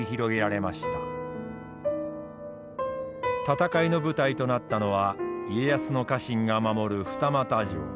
戦いの舞台となったのは家康の家臣が守る二俣城。